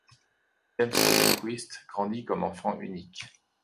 James Rosenquist grandit comme enfant unique.